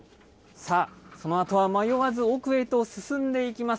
さあ、そのあとは迷わず奥へと進んでいきます。